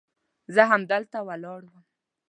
زه همدلته ولاړ وم.